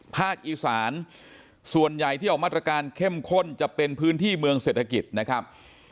ภาคอีสานส่วนใหญ่ที่ออกมาตรการเข้มข้นจะเป็นพื้นที่เมืองเศรษฐกิจนะครับ